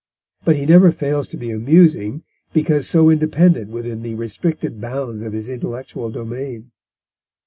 But he never fails to be amusing, because so independent within the restricted bounds of his intellectual domain.